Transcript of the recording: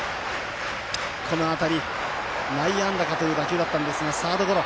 この当たり、内野安打かという打球だったんですがサードゴロ。